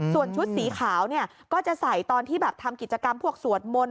ส่วนชุดสีขาวเนี่ยก็จะใส่ตอนที่แบบทำกิจกรรมพวกสวดมนต์